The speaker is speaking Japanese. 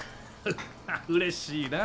うれしいなぁ。